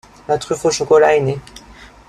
La truffe au chocolat est née.